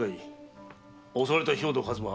襲われた兵藤数馬